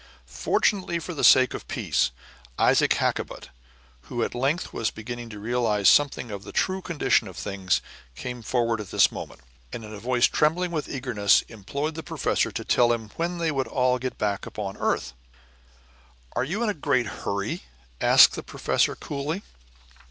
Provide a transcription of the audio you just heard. Fortunately for the sake of peace, Isaac Hakkabut, who at length was beginning to realize something of the true condition of things, came forward at this moment, and in a voice trembling with eagerness, implored the professor to tell him when they would all be back again upon the earth. "Are you in a great hurry?" asked the professor coolly.